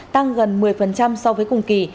tăng gần một mươi so với cùng kỳ